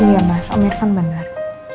iya mas umir van benar